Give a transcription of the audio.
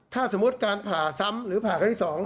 ถ้าสมมุติการผ่าซ้ำหรือผ่าครั้งที่๒